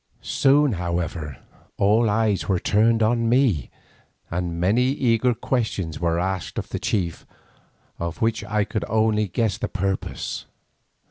Soon, however, all eyes were turned on me and many eager questions were asked of the chief, of which I could only guess the purport.